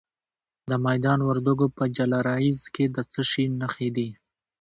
د میدان وردګو په جلریز کې د څه شي نښې دي؟